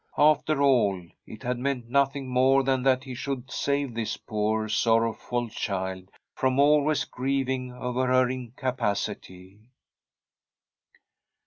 After all, it had meant noth ing more than that he should save this poor sor rowful child from always grieving over her inca pacity.